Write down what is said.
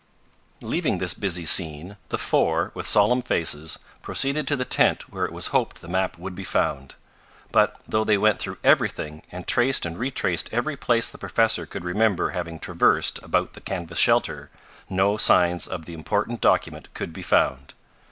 Leaving this busy scene, the four, with solemn faces, proceeded to the tent where it was hoped the map would be found. But though they went through everything, and traced and retraced every place the professor could remember having traversed about the canvas shelter, no signs of the important document could be found.